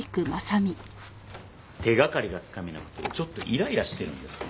手がかりが掴めなくてちょっとイライラしてるんです。